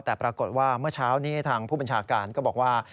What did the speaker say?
แต่ปรากฏว่าเมื่อเช้านี้ทางผู้บัญชาการก็บอกว่า